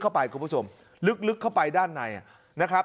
คุณผู้ชมลึกเข้าไปด้านในนะครับ